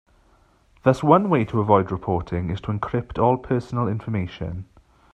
Thus one way to avoid reporting is to encrypt all personal information.